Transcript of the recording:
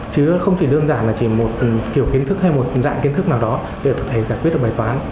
chứ không chỉ đơn giản là chỉ một kiểu kiến thức hay một dạng kiến thức nào đó để thầy giải quyết được bài toán